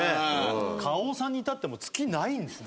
花王さんに至ってはもう月ないんですね。